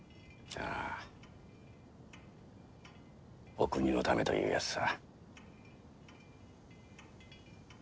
お国のためというやつさ。